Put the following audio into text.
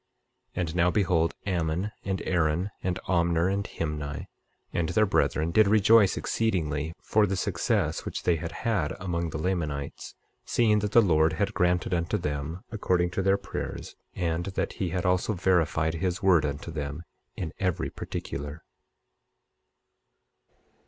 25:17 And now behold, Ammon, and Aaron, and Omner, and Himni, and their brethren did rejoice exceedingly, for the success which they had had among the Lamanites, seeing that the Lord had granted unto them according to their prayers, and that he had also verified his word unto them in every particular.